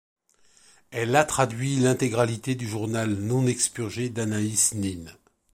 Elle a traduit l’intégralité du Journal Non Expurgé d'Anaïs Nin.